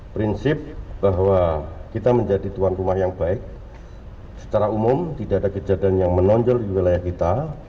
prinsip bahwa kita menjadi tuan rumah yang baik secara umum tidak ada kejadian yang menonjol di wilayah kita